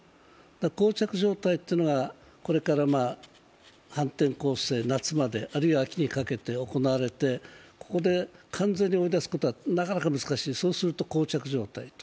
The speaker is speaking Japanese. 膠着状態というのはこれから反転攻勢、夏まであるいは秋にかけて行われて、ここで完全に追い出すことはなかなか難しい、そうするとこう着状態と。